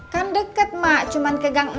kan deket mak cuma ke gang enam